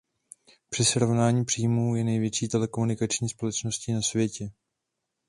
Při srovnání příjmů je největší telekomunikační společností na světě.